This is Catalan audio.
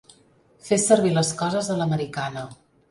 Fer servir les coses a l'americana.